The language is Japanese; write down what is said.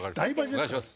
お願いします。